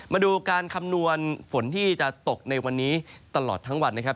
มาดูการคำนวณฝนที่จะตกในวันนี้ตลอดทั้งวันนะครับ